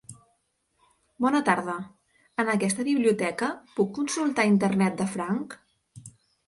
Bona tarda. En aquesta biblioteca puc consultar Internet de franc?